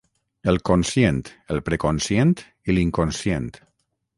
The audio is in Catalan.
el conscient el preconscient i l'inconscient